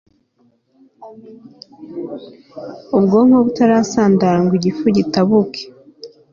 ubwonko butarasandara ngo igifu gitabuke